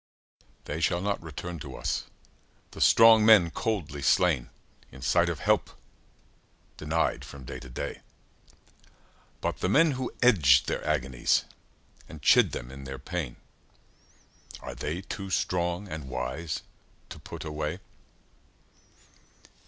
They shall not return to us; the strong men coldly slain In sight of help denied from day to day: But the men who edged their agonies and chid them in their pain, Are they too strong and wise to put away?